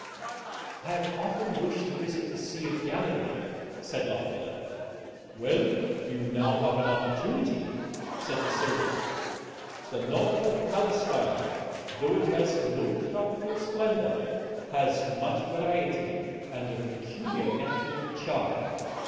... "I have often wished to visit the Sea of Galilee," said Lothair. "Well, you have now an opportunity," said the Syrian: "the north of Palestine, though it has no tropical splendor, has much variety and a peculiar natural charm.